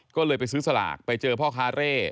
ก็เลยไปซื้อสลากไปเจอพ่อค้าเร่